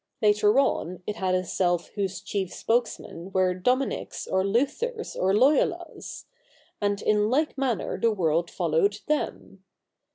Later on, it had a Self whose chief spokesmen were Dominies or Luthers or Loyolas ; and in like manner the world followed them.